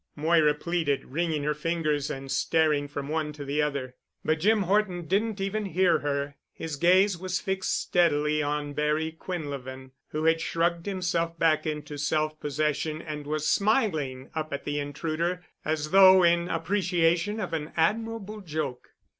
Moira pleaded, wringing her fingers and staring from one to the other. But Jim Horton didn't even hear her. His gaze was fixed steadily on Barry Quinlevin, who had shrugged himself back into self possession and was smiling up at the intruder as though in appreciation of an admirable joke.